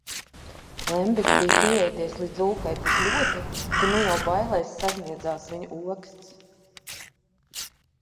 Lembits bija pieēdies līdz ūkai tik ļoti, ka nu jau bailēs sažmiedzās viņa oksts.